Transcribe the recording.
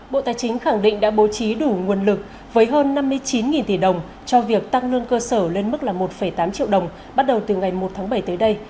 bộ tài chính khẳng định đã bố trí đủ nguồn lực với hơn năm mươi chín tỷ đồng cho việc tăng lương cơ sở lên mức một tám triệu đồng bắt đầu từ ngày một tháng bảy tới đây